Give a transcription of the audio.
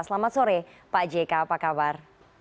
selamat sore pak jk apa kabar